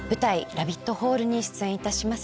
『ラビット・ホール』に出演いたします。